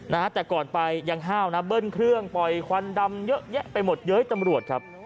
นะฮะแต่ก่อนไปยังห้าวนะเบิ้ลเครื่องปล่อยควันดำเยอะแยะไปหมดเย้ยตำรวจครับ